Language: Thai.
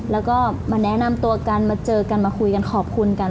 แล้วก็มาแนะนำตัวกันมาเจอกันมาคุยกันขอบคุณกัน